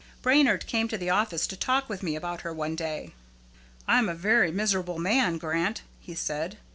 Brainard came to the office to talk with me about her one day. "I am a very miserable man, Grant," he said.